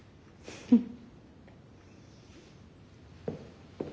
フッ。